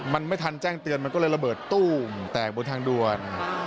มันไม่ทันแจ้งเตือนมันก็เลยระเบิดตู้มแตกบนทางด่วน